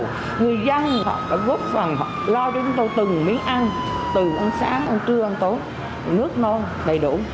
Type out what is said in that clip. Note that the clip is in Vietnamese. người dân họ đã góp phần họ lo cho chúng tôi từng miếng ăn từng ăn sáng ăn trưa ăn tối nước nô đầy đủ